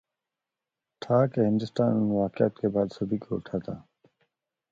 تھا کہ ہندوستان ان واقعات کے بعد سبکی اٹھاتا۔